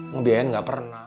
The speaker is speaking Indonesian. ngebiayain gak pernah